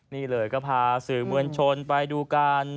นี่เลยก็พาสื่อเมืองชนไปดูการ